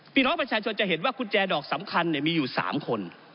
พี่น้องประชาชนจะเห็นว่ากุญแจดอกสำคัญมีอยู่๓คน